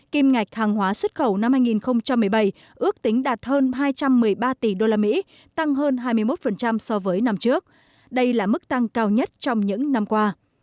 kim ngạch hàng hóa xuất khẩu năm hai nghìn một mươi bảy ước tính đạt hơn hai trăm một mươi ba tỷ usd tăng hơn hai mươi một so với năm trước đây là mức tăng cao nhất trong những năm qua